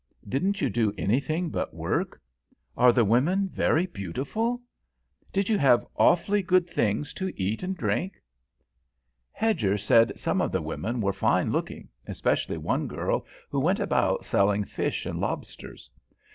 Didn't you do anything but work? Are the women very beautiful? Did you have awfully good things to eat and drink?" Hedger said some of the women were fine looking, especially one girl who went about selling fish and lobsters.